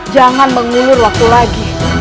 jangan mengulur waktu lagi